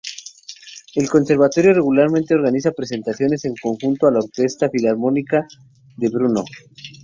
El conservatorio regularmente organiza presentaciones en conjunto a la Orquesta Filarmónica de Brno.